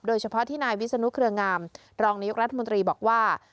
โดยเฉพาะที่นายวิศนุเครืองามรองนายกรัฐมนตรีบอกว่า